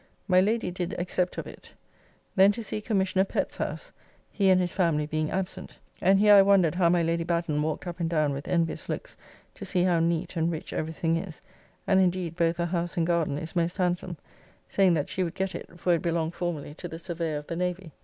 My Lady did accept of it: Then to see Commissioner Pett's house, he and his family being absent, and here I wondered how my Lady Batten walked up and down with envious looks to see how neat and rich everything is (and indeed both the house and garden is most handsome), saying that she would get it, for it belonged formerly to the Surveyor of the Navy.